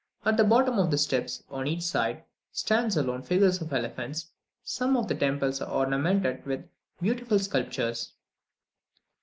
At the bottom of the steps, on each side, stand stone figures of elephants. Some of the temples are ornamented with beautiful sculptures.